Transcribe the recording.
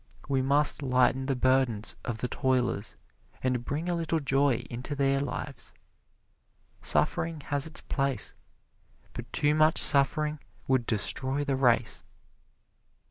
We must lighten the burdens of the toilers and bring a little joy into their lives. Suffering has its place, but too much suffering would destroy the race.